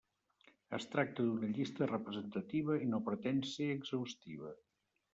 Es tracta d'una llista representativa i no pretén ser exhaustiva.